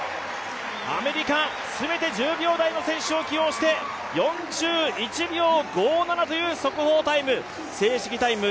アメリカ、全て１０秒台の選手を起用して４１秒５７という速報タイム。